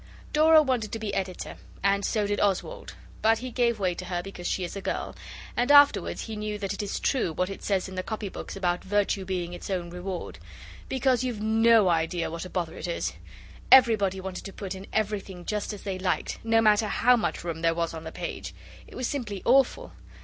Dora wanted to be editor and so did Oswald, but he gave way to her because she is a girl, and afterwards he knew that it is true what it says in the copy books about Virtue being its own Reward. Because you've no idea what a bother it is. Everybody wanted to put in everything just as they liked, no matter how much room there was on the page. It was simply awful!